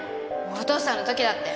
お父さんの時だって。